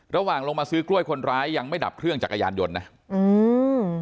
ระหว่างลงมาซื้อกล้วยคนร้ายยังไม่ดับเครื่องจักรยานยนต์นะอืม